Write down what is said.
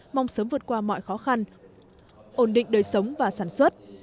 mong sớm vượt qua mọi khó khăn ổn định đời sống và sản xuất